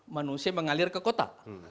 manusia mengalir ke kota